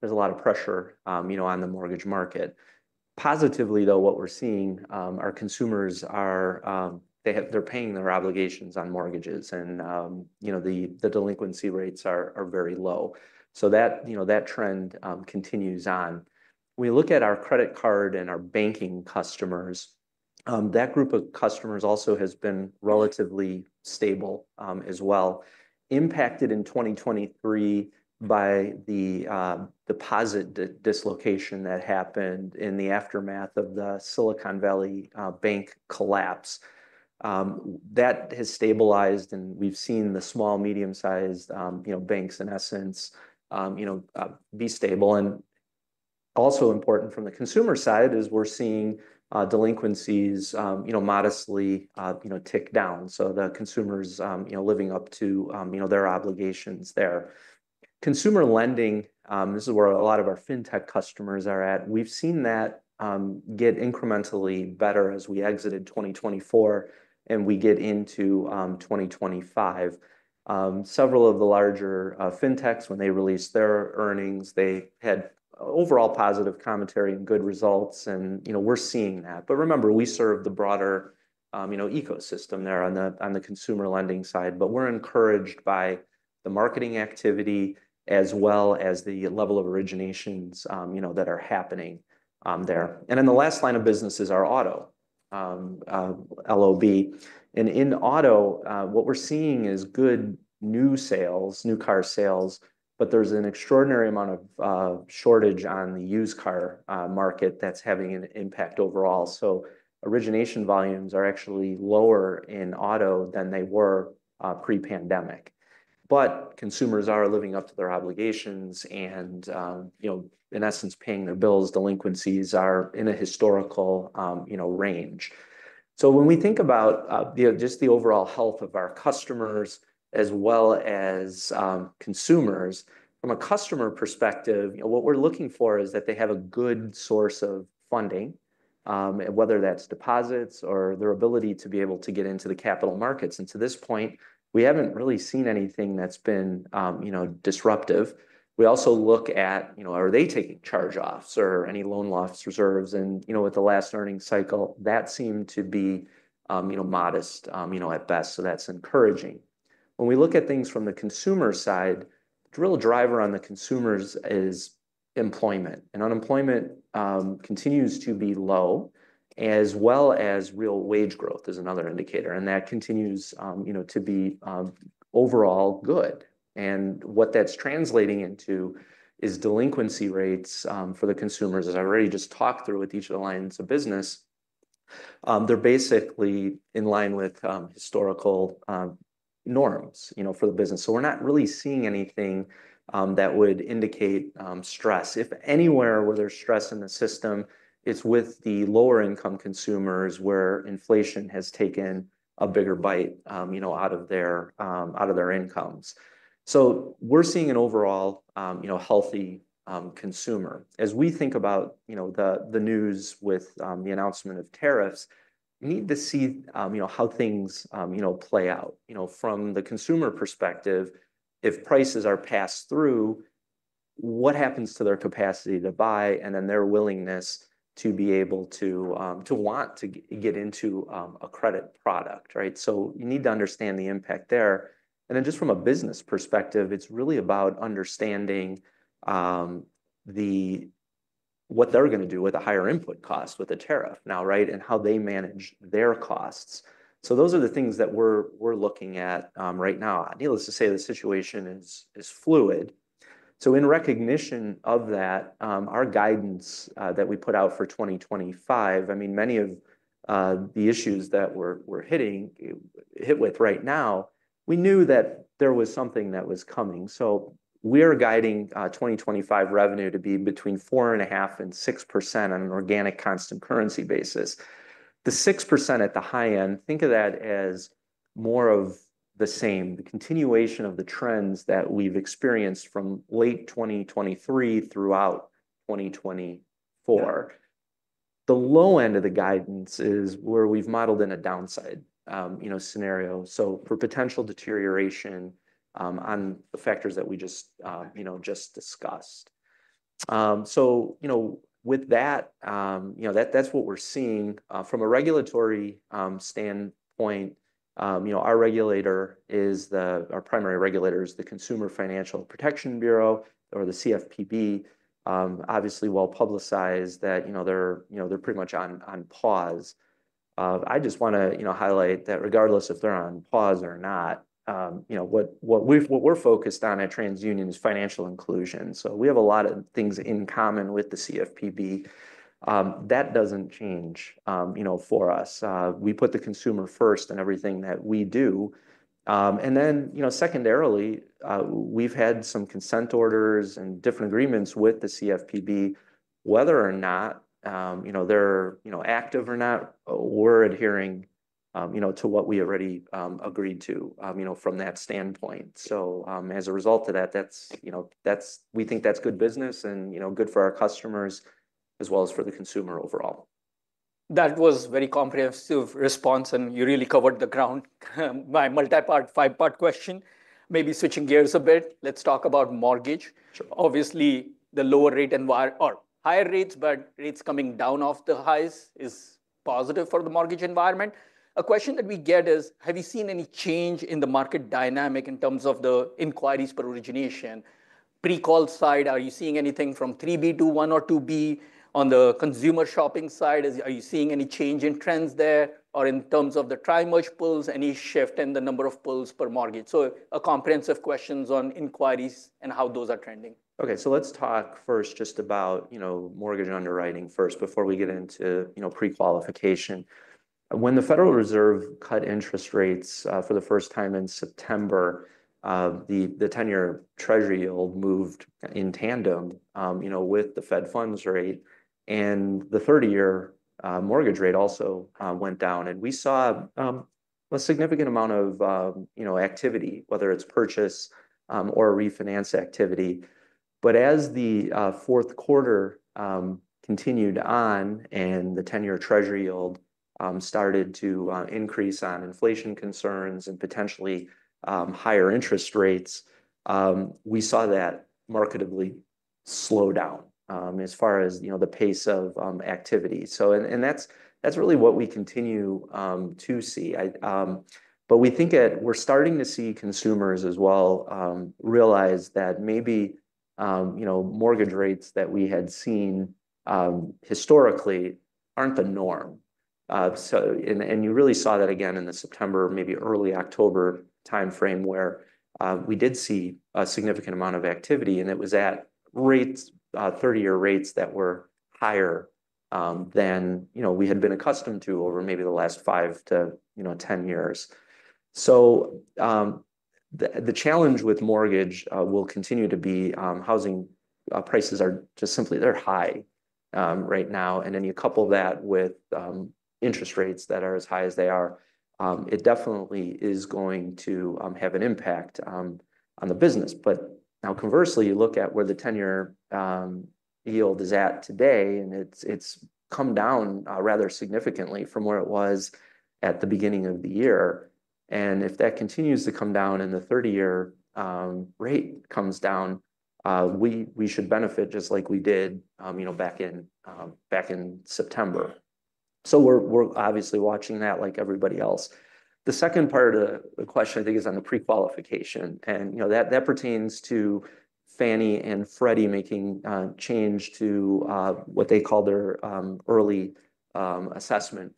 There's a lot of pressure, you know, on the Mortgage market positively though what we're seeing. Our consumers, they're paying their obligations on mortgages and you know, the delinquency rates are very low. So that, you know, that trend continues on. We look at our credit card and our banking customers. That group of customers also has been relatively stable as well, impacted in 2023 by the deposit dislocation that happened in the aftermath of the Silicon Valley Bank collapse. That has stabilized and we've seen the small- medium-sized banks in essence be stable, and also important from the consumer side is we're seeing delinquencies modestly tick down so the consumers living up to their obligations. Consumer Lending, this is where a lot of our fintech customers are at. We've seen that get incrementally better as we exited 2024 and we get into 2025. Several of the larger fintechs, when they released their earnings, they had overall positive commentary and good results, and you know, we're seeing that, but remember, we serve the broader ecosystem there on the Consumer Lending side, but we're encouraged by the marketing activity as well as the level of originations that are happening there, and then the last line of business is our Auto LOB, and in Auto, what we're seeing is good new sales, new car sales, but there's an extraordinary amount of shortage on the used car market that's having an impact overall, so origination volumes are actually lower in Auto than they were pre-pandemic, but consumers are living up to their obligations, and you know, in essence paying their bills. Delinquencies are in a historical, you know, range. When we think about just the overall health of our customers as well as consumers from a customer perspective, what we're looking for is that they have a good source of funding, whether that's deposits or their ability to be able to get into the capital markets. To this point we haven't really seen anything that's been, you know, disruptive. We also look at, you know, are they taking charge-offs or any loan loss reserves. With the last earnings cycle that seemed to be, you know, modest, you know, at best. That's encouraging. When we look at things from the consumer side, the real driver on the consumers is employment. Unemployment continues to be low as well as real wage growth is another indicator. That continues, you know, to be overall good. What that's translating into is delinquency rates for the consumers. As I already just talked through with each of the lines of business, they're basically in line with historical norms, you know, for the business. So we're not really seeing anything that would indicate stress, if anywhere. Where there's stress in the system, it's with the lower income consumers where inflation has taken a bigger bite, you know, out of their incomes. So we're seeing an overall, you know, healthy consumer as we think about, you know, the news with the announcement of tariffs. Need to see, you know, how things, you know, play out, you know, from the consumer perspective. If prices are passed through, what happens to their capacity to buy and then their willingness to be able to want to get into a credit product, right? So you need to understand the impact there. And then just from a business perspective, it's really about understanding what they're going to do with a higher input cost with a tariff now, right, and how they manage their costs, so those are the things that we're looking at right now. Needless to say, the situation is fluid, so in recognition of that, our guidance that we put out for 2025, I mean, many of the issues that we're hit with right now, we knew that there was something that was coming, so we are guiding 2025 revenue to be between 4.5% and 6% on an organic constant currency basis. The 6% at the high end, think of that as more of the same, the continuation of the trends that we've experienced from late 2023 throughout 2024. The low end of the guidance is where we've modeled in a downside scenario, so for potential deterioration on the factors that we just, you know, just discussed. So, you know, with that, you know, that's what we're seeing from a regulatory standpoint, you know, our primary regulator is the Consumer Financial Protection Bureau or the CFPB. Obviously well publicized that, you know, they're pretty much on pause. I just want to, you know, highlight that regardless if they're on pause or not, you know, what we're focused on at TransUnion is financial inclusion. So we have a lot of things in common with the CFPB that doesn't change. You know, for us, we put the consumer first in everything that we do. And then, you know, secondarily we've had some consent orders and different agreements with the CFPB. Whether or not, you know, they're, you know, active or not, we're adhering, you know, to what we already agreed to, you know, from that standpoint. So as a result of that, that's you know, that's we think that's good business and you know, good for our customers as well as for the consumer overall. That was a very comprehensive response and you really covered the ground. My multi-part five-part question, switching gears a bit, let's talk about the Mortgage. Obviously the lower rate environment or higher rates, but rates coming down off the highs is positive for the Mortgage environment. A question that we get is have you seen any change in the market dynamic in terms of the inquiries per origination pre-qual side? Are you seeing anything from 3B to 1 or 2B on the consumer shopping side? Are you seeing any change in trends there or in terms of the tri-merge pulls, any shift in the number of pulls per mortgage? So a comprehensive question on inquiries and how those are trending. Okay, so let's talk first just about, you know, mortgage underwriting first before we get into, you know, pre-qualification. When the Federal Reserve cut interest rates for the first time in September, the 10-year Treasury yield moved in tandem, you know, with the Fed funds rate and the 30-year mortgage rate also went down. And we saw a significant amount of, you know, activity, whether it's purchase or refinance activity. But as the fourth quarter continued on and the 10-year Treasury yield started to increase on inflation concerns and potentially higher interest rates, we saw that markedly slow down as far as, you know, the pace of activity. So and that's, that's really what we continue to see. But we think we're starting to see consumers as well realize that maybe you know, mortgage rates that we had seen historically aren't the norm. You really saw that again in September, maybe early October timeframe, where we did see a significant amount of activity, and it was at rates, 30-year rates, that were higher than, you know, we had been accustomed to over maybe the last 5-10 years. The challenge with Mortgage will continue to be housing prices are just simply high right now. Then you couple that with interest rates that are as high as they are. It definitely is going to have an impact on the business. Now, conversely, you look at where the 10-year yield is at today, and it's come down rather significantly from where it was at the beginning of the year. And if that continues to come down in the 30-year rate comes down, we should benefit just like we did, you know, back in September. So we're obviously watching that like everybody else. The second part of the question I think is on the pre-qualification and you know that pertains to Fannie and Freddie making change to what they call their early assessment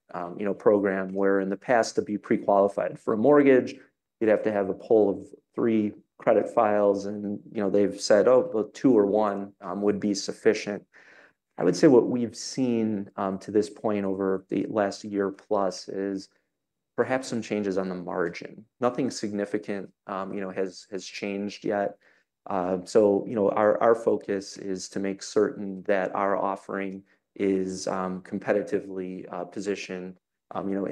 program where in the past to be pre-qualified for a mortgage you'd have to have a pull of three credit files and you know, they've said, or two or one would be sufficient. I would say what we've seen to this point over the last year plus is perhaps some changes on the margin. Nothing significant, you know, has changed yet. So, you know, our focus is to make certain that our offering is competitively positioned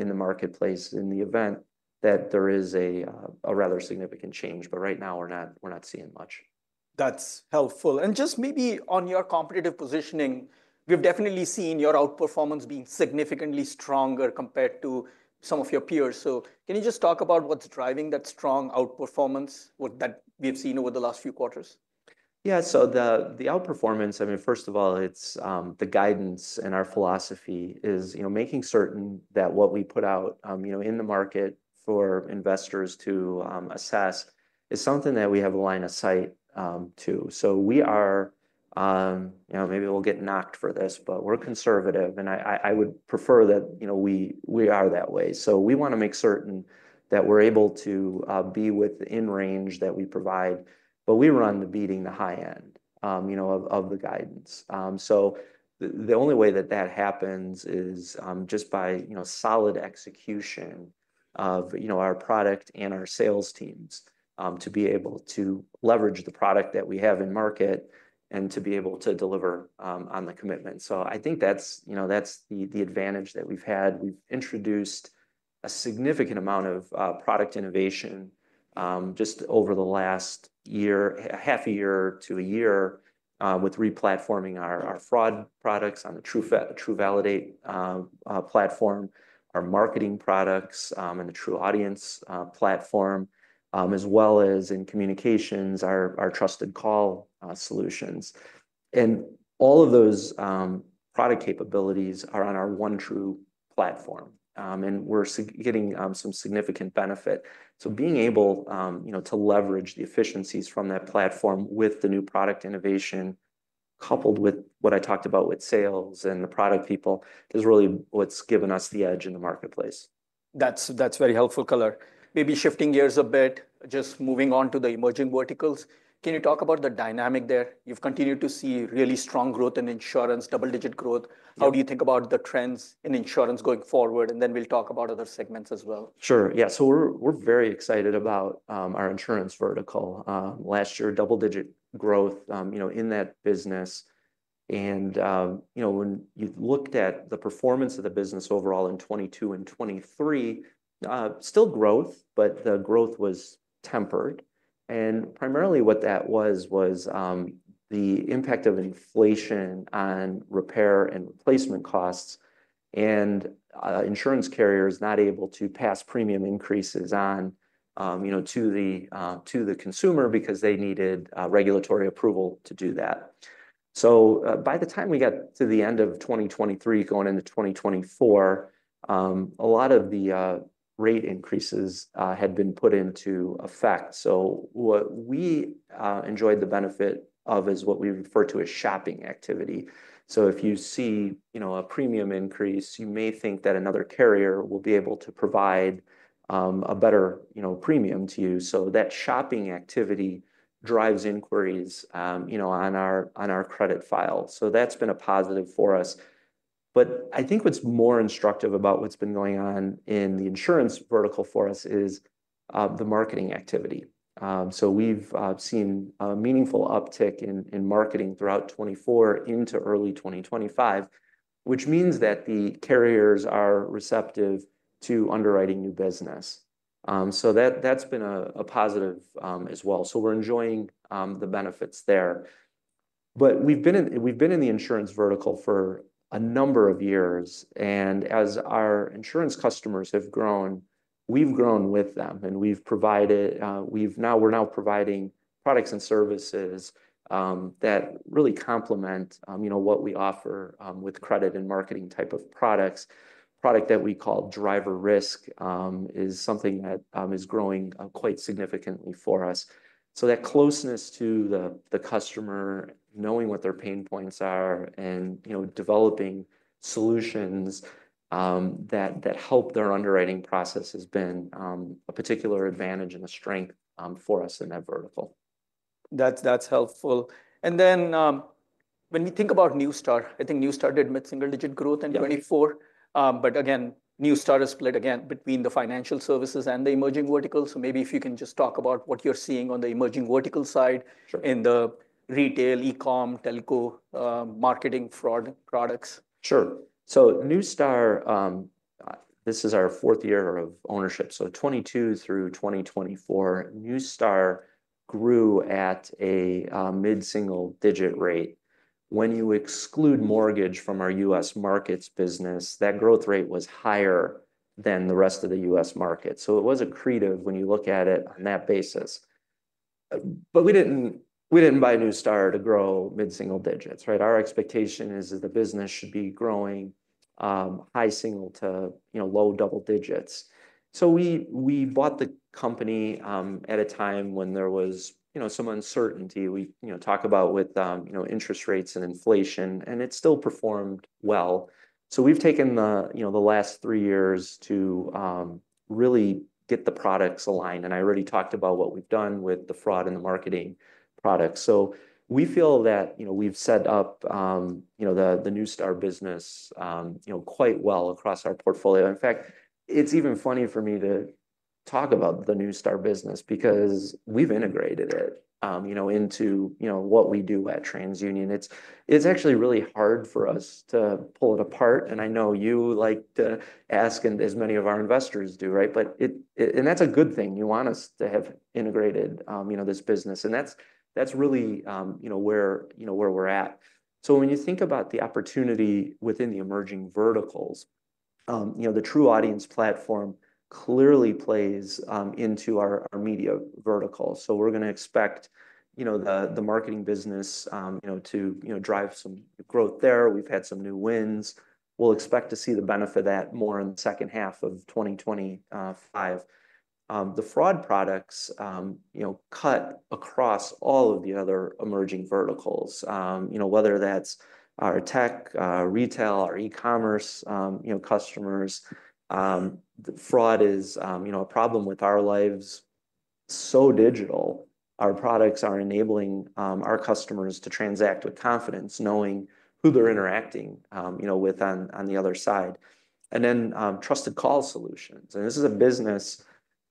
in the marketplace in the event that there is a rather significant change. But right now we're not seeing much. That's helpful. Just maybe on your competitive positioning, we've definitely seen your outperformance being significantly stronger compared to some of your peers. Can you just talk about what's driving that strong outperformance that we've seen over the last few quarters? Yeah, so the outperformance, I mean, first of all it's the guidance and our philosophy is, you know, making certain that what we put out, you know, in the market for investors to assess is something that we have a line of sight to. So we are, you know, maybe we'll get knocked for this, but we're conservative and I would prefer that, you know, we are that way. So we want to make certain that we're able to be within range that we provide. But we run to beating the high end, you know, of the guidance. So the only way that that happens is just by, you know, solid execution of, you know, our product and our sales teams to be able to leverage the product that we have in market and to be able to deliver on the commitment. So I think that's, you know, that's the advantage that we've had. We've introduced a significant amount of product innovation just over the last year, half a year to a year with replatforming our fraud products on the TruValidate platform, our marketing products and the TruAudience platform, as well as in communications, our Trusted Call Solutions and all of those product capabilities are on our OneTru platform and we're getting some significant benefit. So being able to leverage the efficiencies from that platform with the new product innovation coupled with what I talked about with sales and the product people is really what's given us the edge in the marketplace. That's very helpful color. Maybe shifting gears a bit, just moving on to the emerging verticals. Can you talk about the dynamic there? You've continued to see really strong growth in insurance, double digit growth. How do you think about the trends in insurance going forward and then we'll talk about other segments as well? Sure, yeah. So we're very excited about our Insurance vertical last year double-digit growth, you know, in that business and you know, when you looked at the performance of the business overall in 2022 and 2023, still growth, but the growth was tempered. And primarily what that was was the impact of inflation on repair and replacement costs and insurance carriers not able to pass premium increases on, you know, to the consumer because they needed regulatory approval to do that. So by the time we got to the end of 2023, going into 2024, a lot of the rate increases had been put into effect. So we enjoyed the benefit of, is what we refer to as shopping activity. So if you see, you know, a premium increase, you may think that another carrier will be able to provide a better, you know, premium to you. That shopping activity drives inquiries, you know, on our credit file. So that's been a positive for us. But I think what's more instructive about what's been going on in the Insurance vertical for us is the marketing activity. So we've seen a meaningful uptick in marketing throughout 2024 into early 2025, which means that the carriers are receptive to underwriting new business. So that's been a positive as well. So we're enjoying the benefits there. But we've been in the Insurance vertical for a number of years and as our insurance customers have grown, we've grown with them and we're now providing products and services that really complement, you know, what we offer with credit and marketing type of products. Product that we call DriverRisk is something that is growing quite significantly for us. So that closeness to the customer, knowing what their pain points are and developing solutions that help their underwriting process has been a particular advantage and a strength for us in that vertical. That's helpful. And then when we think about Neustar, I think Neustar did mid single digit growth in 2024, but again Neustar is split again between the financial services and the emerging vertical. So maybe if you can just talk about what you're seeing on the emerging vertical side in the retail e-com telco, marketing fraud products? Sure. So Neustar, this is our fourth year of ownership. So 2022 through 2024, Neustar grew at a mid-single-digit rate. When you exclude Mortgage from our U.S. Markets business, that growth rate was higher than the rest of the U.S. market. So it was accretive, when you look at it on that basis. But we didn't, we didn't buy Neustar to grow mid-single digits, right? Our expectation is that the business should be growing high-single to, you know, low-double digits. So we, we bought the company at a time when there was, you know, some uncertainty. We, you know, talk about with, you know, interest rates and inflation and it still performed well. So we've taken the, you know, the last three years to really get the products aligned. I already talked about what we've done with the fraud in the marketing products. So we feel that, you know, we've set up, you know, the Neustar business, you know, quite well across our portfolio. In fact, it's even funny for me to talk about the Neustar business because we've integrated it, you know, into, you know, what we do at TransUnion. It's actually really hard for us to pull it apart. And I know you like to ask and as many of our investors do, right, but, and that's a good thing. You want us to have integrated, you know, this business and that's really, you know, where, you know, where we're at. So when you think about the opportunity within the emerging verticals, you know, the TruAudience platform clearly plays into our Media vertical. So we're going to expect, you know, the marketing business, you know, to, you know, drive some growth there. We've had some new wins. We'll expect to see the benefit of that more in the second half of 2025. The fraud products cut across all of the other emerging verticals. Whether that's our tech, retail, our e-commerce customers. Fraud is a problem with our lives. So digital our products are enabling our customers to transact with confidence knowing who they're interacting with on the other side. And then Trusted Call Solutions, and this is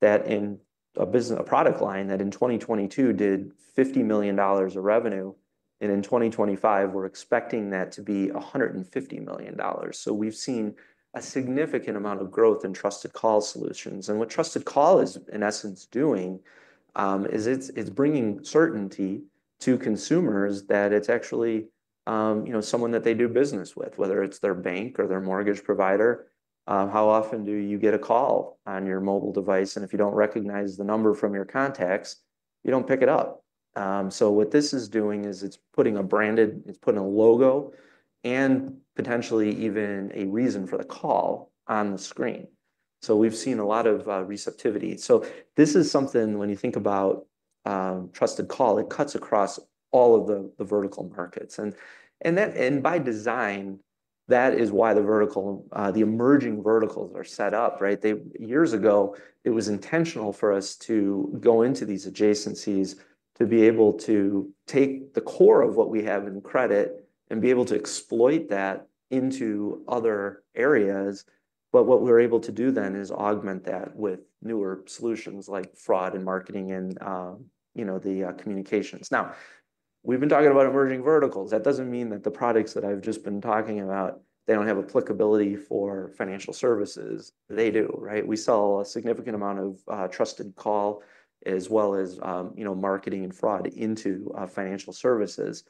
a business, a product line that in 2022 did $50 million of revenue and in 2025 we're expecting that to be $150 million. So we've seen a significant amount of growth in Trusted Call Solutions. And what Trusted Call is in essence doing is it's bringing certainty to consumers that it's actually, you know, someone that they do business with, whether it's their bank or their mortgage provider. How often do you get a call on your mobile device and if you don't recognize the number from your contacts, you don't pick it up. So what this is doing is it's putting a branded logo and potentially even a reason for the call on the screen. So we've seen a lot of receptivity. So this is something, when you think about Trusted Call, it cuts across all of the vertical markets. And that, by design, is why the vertical, the emerging verticals are set up right. Ten years ago, it was intentional for us to go into these adjacencies to be able to take the core of what we have in credit and be able to exploit that into other areas. But what we're able to do then is augment that with newer solutions like fraud and marketing and, you know, the communications. Now we've been talking about emerging verticals, that doesn't mean that the products that I've just been talking about, they don't have applicability for financial services. They do. Right. We sell a significant amount of Trusted Call as well as, you know, marketing and fraud into financial services.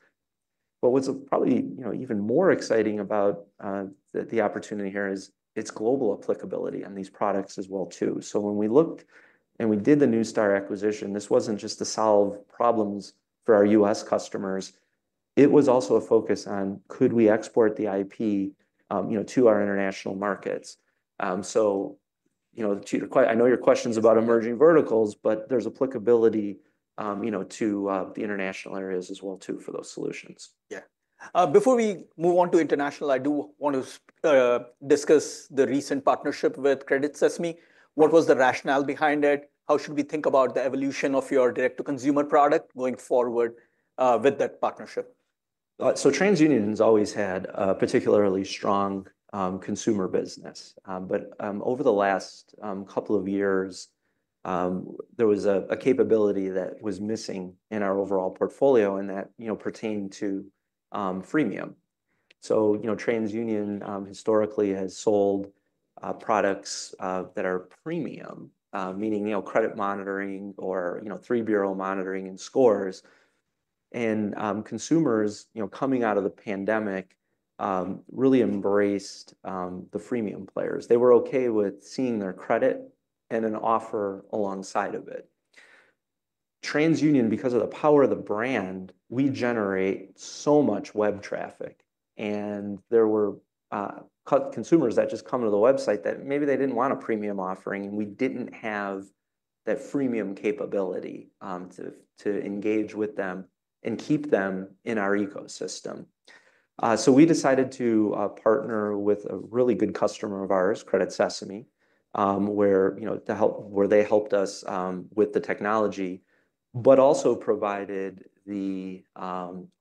But what's probably, you know, even more exciting about the opportunity here is its global applicability and these products as well, too. So when we looked and we did the Neustar acquisition, this wasn't just to solve problems for our U.S. customers. It was also a focus on could we export the IP, you know, to our international markets. So, you know, I know your question's about emerging verticals, but there's applicability, you know, to the international areas as well too, for those solutions. Yeah. Before we move on to international, I do want to discuss the recent partnership with Credit Sesame. What was the rationale behind it? How should we think about the evolution of your direct to consumer product going forward with that partnership? So TransUnion has always had a particularly strong consumer business, but over the last couple of years, there was a capability that was missing from our overall portfolio and that, you know, pertained to freemium. So, you know, TransUnion historically has sold products that are premium, meaning, you know, credit monitoring or, you know, three bureau monitoring and scores. And consumers, you know, coming out of the pandemic really embraced the freemium players. They were okay with seeing their credit and an offer alongside of it. TransUnion, because of the power of the brand, we generate so much web traffic and there were consumers that just come to the website that maybe they didn't want a premium offering. And we didn't have that freemium capability to engage with them and keep them in our ecosystem. So we decided to partner with a really good customer of ours, Credit Sesame, where, you know, to help, where they helped us with the technology, but also provided the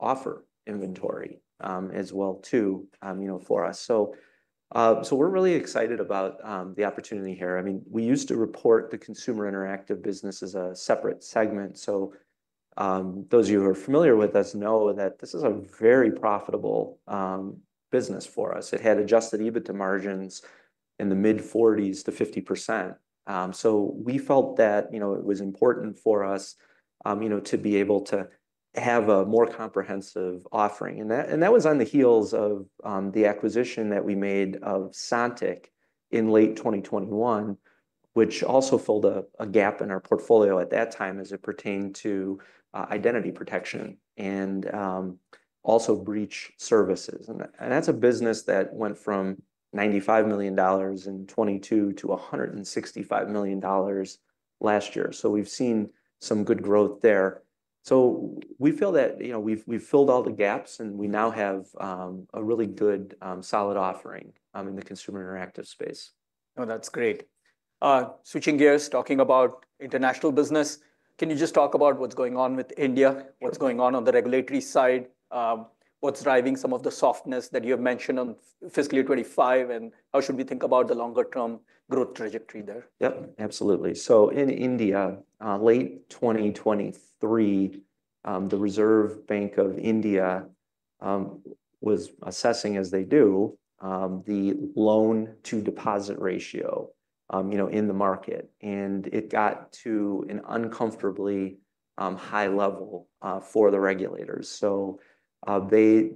offer inventory as well, too, you know, for us. So we're really excited about the opportunity here. I mean, we used to report the Consumer Interactive business as a separate segment. So those of you who are familiar with us know that this is a very profitable business for us. It had Adjusted EBITDA margins in the mid-40s to 50%. So we felt that, you know, it was important for us, you know, to be able to have a more comprehensive offering. And that was on the heels of the acquisition that we made of Sontiq in late 2021, which also filled a gap in our portfolio at that time as it pertained to identity protection and also breach services. And that's a business that went from $95 million in 2022 to $165 million last year. So we've seen some good growth there. So we feel that we've filled all the gaps and we now have a really good solid offering in the Consumer Interactive space. Oh, that's great. Switching gears, talking about international business. Can you just talk about what's going on with India? What's going on on the regulatory side? What's driving some of the softness that you have mentioned on fiscal year 2025 and how should we think about the longer term growth trajectory there? Yep, absolutely. So in India, late 2023, the Reserve Bank of India was assessing, as they do, the loan-to-deposit ratio, you know, in the market. And it got to an uncomfortably high level for the regulators. So they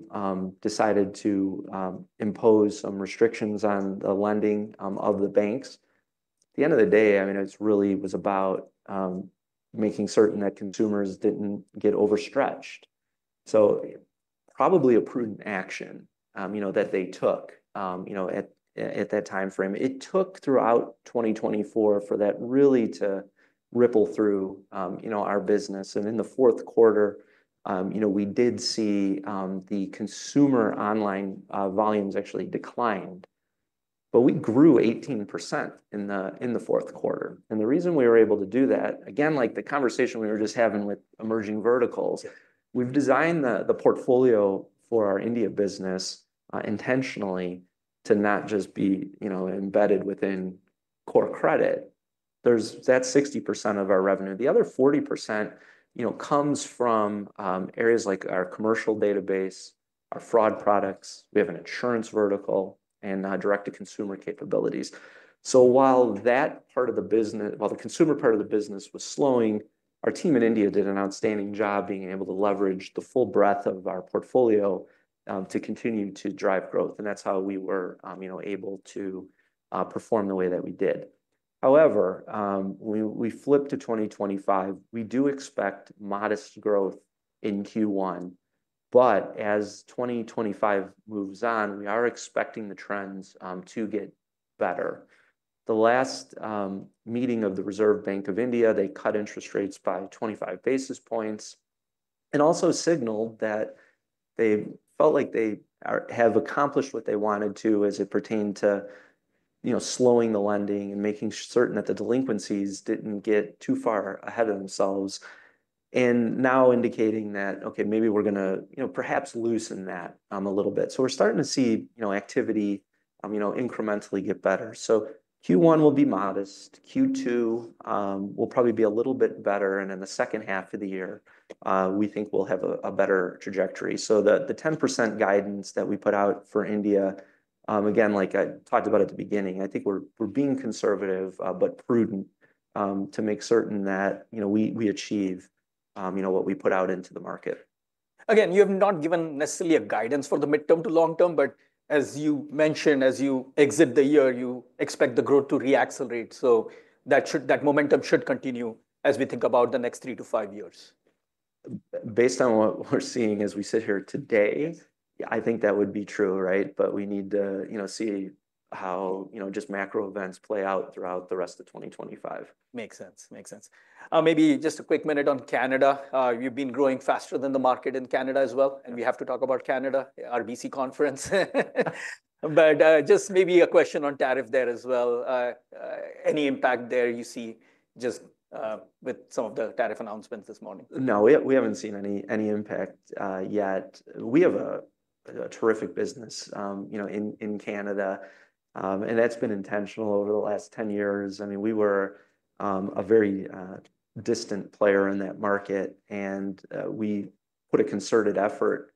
decided to impose some restrictions on the lending of the banks. At the end of the day, I mean, it really was about making certain that consumers didn't get overstretched. So probably a prudent action, you know, that they took, you know, at that time frame. It took throughout 2024 for that really to ripple through, you know, our business. And in the fourth quarter, you know, we did see the consumer online volumes actually declined, but we grew 18% in the fourth quarter. And the reason we were able to do that, again, like the conversation we were just having with emerging verticals. We've designed the portfolio for our India business intentionally to not just be embedded within core credit. That's 60% of our revenue. The other 40% comes from areas like our commercial database, our fraud products. We have an Insurance vertical and direct to consumer capabilities. So while that part of the business, while the consumer part of the business was slowing, our team in India did an outstanding job being able to leverage the full breadth of our portfolio and to continue to drive growth, and that's how we were, you know, able to perform the way that we did. However, we flip to 2025. We do expect modest growth in Q1, but as 2025 moves on, we are expecting the trends to get better. The last meeting of the Reserve Bank of India, they cut interest rates by 25 basis points and also signaled that they felt like they have accomplished what they wanted to as it pertained to, you know, slowing the lending and making certain that the delinquencies didn't get too far ahead of themselves. And now indicating that, okay, maybe we're going to, you know, perhaps loosen that a little bit. So we're starting to see, you know, activity, you know, incrementally get better. So Q1 will be modest, Q2 will probably be a little bit better. And in the second half of the year, we think we'll have a better trajectory. So the 10% guidance that we put out for India, again, like I talked about at the beginning, I think we're being conservative but prudent to make certain that, you know, we achieve, you know, what we put out into the market. Again, you have not given necessarily a guidance for the midterm to long term, but as you mentioned, as you exit the year, you expect the growth to reaccelerate. So that should, that momentum should continue as we think about the next 3-5 years? Based on what we're seeing as we sit here today, I think that would be true, right? But we need to, you know, see how, you know, just macro events play out throughout the rest of 2025. Makes sense. Makes sense. Maybe just a quick minute on Canada. You've been growing faster than the market in Canada as well. And we have to talk about Canada RBC conference. But just maybe a question on tariff there as well. Any impact there you see just with some of the tariff announcements this morning? No, we haven't seen any impact yet. We have a terrific business in Canada and that's been intentional over the last 10 years. I mean, we were a very distant player in that market and we put a concerted effort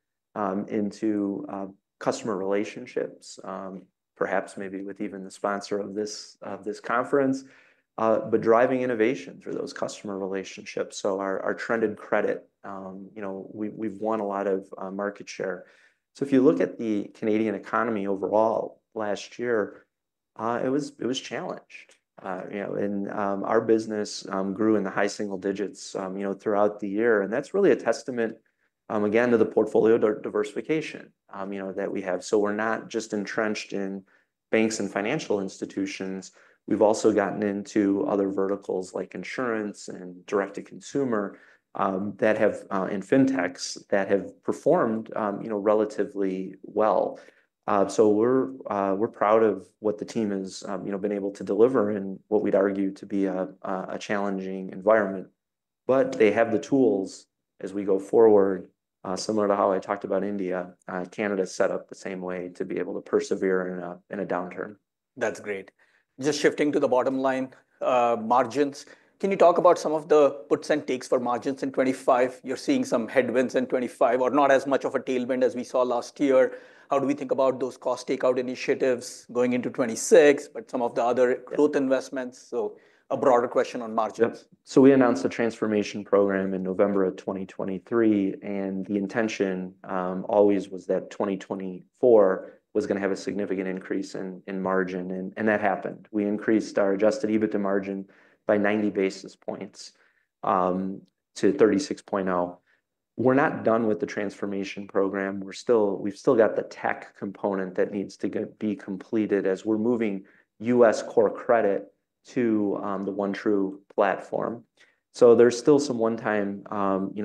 into customer relationships, perhaps maybe with even the sponsor of this conference, but driving innovation through those customer relationships, so our trended credit, you know, we've won a lot of market share, so if you look at the Canadian economy overall, last year it was challenged, you know, and our business grew in the high single digits, you know, throughout the year, and that's really a testament again to the portfolio diversification, you know, that we have, so we're not just entrenched in banks and financial institutions. We've also gotten into other verticals like insurance and direct to consumer that have, in fintechs that have performed, you know, relatively well. So we're proud of what the team has, you know, been able to deliver in what we'd argue to be a challenging environment. But they have the tools as we go forward. Similar to how I talked about India. Canada's set up the same way to be able to persevere in a downturn. That's great. Just shifting to the bottom line, margins. Can you talk about some of the puts and takes for margins in 2025? You're seeing some headwinds in 2025 or not as much of a tailwind as we saw last year. How do we think about those cost takeout initiatives going into 2026, but some of the other growth investments? So a broader question on margins. We announced a transformation program in November of 2023. The intention always was that 2024 was going to have a significant increase in margin. That happened. We increased our adjusted EBITDA margin by 90 basis points to 36.0%. We're not done with the transformation program. We've still got the tech component that needs to be completed as we're moving U.S. core credit to the OneTru platform. There's still some one-time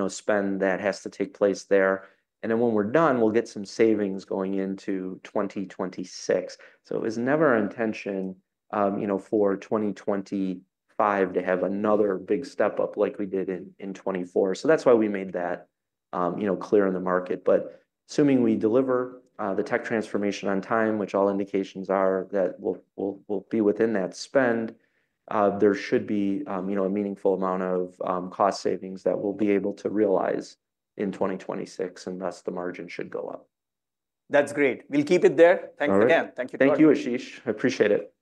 spend that has to take place there. When we're done, we'll get some savings going into 2026. It was never our intention, you know, for 2025 to have another big step up like we did in 2024. That's why we made that, you know, clear in the market. But assuming we deliver the tech transformation on time, which all indications are that we'll be within that spend, there should be, you know, a meaningful amount of cost savings that we'll be able to realize in 2026 and thus the margin should go up. That's great. We'll keep it there. Thanks again. Thank you. Thank you, Ashish. I appreciate it.